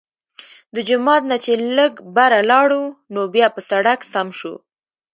د جومات نه چې لږ بره لاړو نو بيا پۀ سړک سم شو